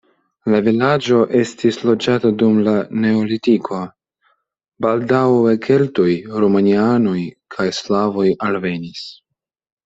La vilaĝo estis loĝata dum la neolitiko, baldaŭe keltoj, romianoj kaj slavoj alvenis.